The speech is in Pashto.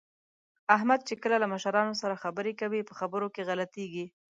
احمد چې کله له مشرانو سره خبرې کوي، په خبرو کې غلطېږي